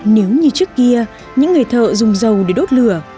nếu như trước kia những người thợ dùng dầu để đốt lửa